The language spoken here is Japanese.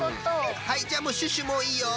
はいじゃあもうシュッシュもういいよ。